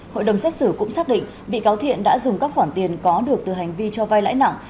hội đồng xét xử cũng xác định bị cáo thiện đã dùng các khoản tiền có được từ hành vi cho vai lãi nặng